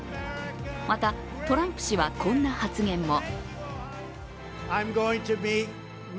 またトランプ氏はこんな発言も。